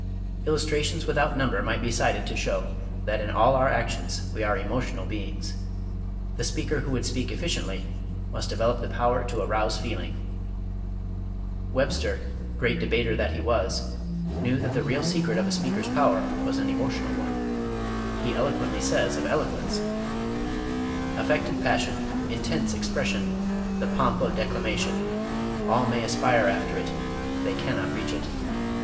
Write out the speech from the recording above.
Illustrations without number might be cited to show that in all our actions we are emotional beings. The speaker who would speak efficiently must develop the power to arouse feeling. Webster, great debater that he was, knew that the real secret of a speaker's power was an emotional one. He eloquently says of eloquence: "Affected passion, intense expression, the pomp of declamation, all may aspire after it; they cannot reach it.